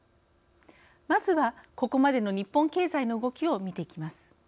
まずはここまでの日本経済の動きをみていきます。